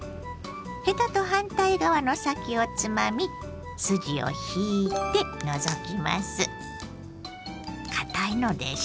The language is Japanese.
ヘタと反対側の先をつまみ筋を引いて除きます。